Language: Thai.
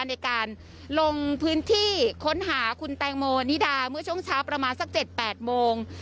ในการลงพื้นที่ค้นหาคุณแตงโมนิดาเมื่อช่วงเช้าประมาณสัก๗๘โมง